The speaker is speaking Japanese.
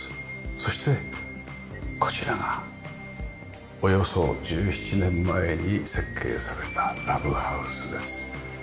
そしてこちらがおよそ１７年前に設計されたＬＯＶＥＨＯＵＳＥです。